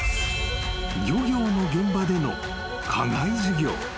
［漁業の現場での課外授業］